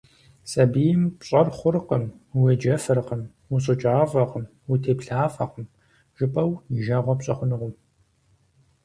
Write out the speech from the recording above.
Сабийм «пщӀэр хъуркъым, уеджэфыркъым, ущӀыкӀафӀэкъым, утеплъафӀэкъым», жыпӏэу и жагъуэ пщӏы хъунукъым.